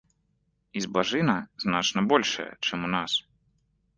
І збажына значна большая, чым у нас.